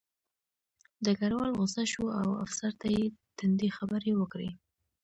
ډګروال غوسه شو او افسر ته یې تندې خبرې وکړې